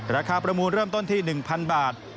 ประมูลเริ่มต้นที่๑๐๐บาท